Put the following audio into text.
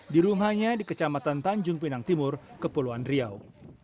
di rumahnya di kecamatan tanjung pinang timur kepulauan riau